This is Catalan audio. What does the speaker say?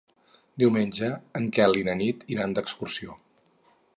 Diumenge en Quel i na Nit iran d'excursió.